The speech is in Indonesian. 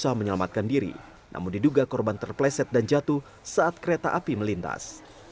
berusaha menyelamatkan diri namun diduga korban terpleset dan jatuh saat kereta api melintas